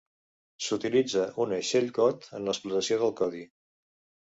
S'utilitza una shellcode en l'explotació del codi.